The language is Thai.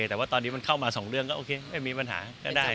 แต่ว่าตอนนี้มันเข้ามาสองเรื่องก็โอเคไม่มีปัญหาก็ได้